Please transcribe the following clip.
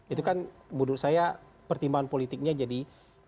itu kan menurut saya pertimbangan politiknya jadi